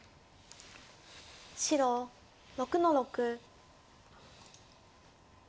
白６の六。